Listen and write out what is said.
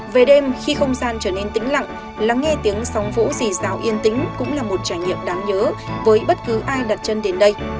về đêm khi không gian trở nên tĩnh lặng lắng nghe tiếng sóng vũ dì rào yên tĩnh cũng là một trải nghiệm đáng nhớ với bất cứ ai đặt chân đến đây